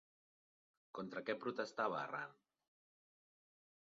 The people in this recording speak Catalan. Contra què protestava Arran?